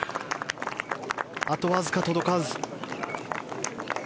あとわずか届かず。